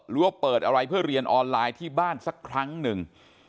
ว่าเปิดอะไรเพื่อเรียนออนไลน์ที่บ้านสักครั้งหนึ่ง